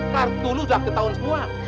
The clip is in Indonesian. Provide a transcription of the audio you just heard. kartu lu sudah ketahuan semua